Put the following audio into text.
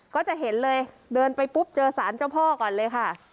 ก็จะเห็นเลยเดินไปปุ๊บเจอสารเจ้าพ่อก่อนเลยค่ะ